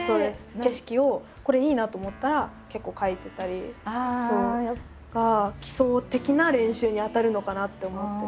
景色をこれいいなと思ったら結構書いてたりとか基礎的な練習にあたるのかなって思ってて。